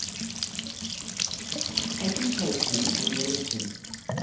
Education and Beligion.